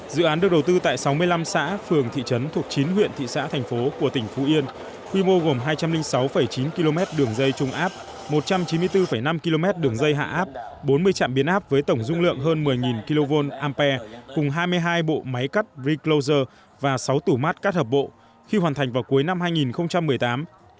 dự án được đầu tư tại sáu mươi năm xã phường thị trấn thuộc chín huyện thị xã thành phố của tỉnh phú yên quy mô gồm hai trăm linh sáu chín km đường dây trung áp một trăm chín mươi bốn năm km đường dây hạ áp bốn mươi trạm biến áp với tổng dung lượng hơn một mươi kv ampere cùng hai mươi hai bộ máy cắt re closer và sáu tủ mát cắt hợp bộ khi hoàn thành vào cuối năm hai nghìn một mươi tám